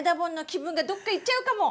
気分がどっかいっちゃうかも！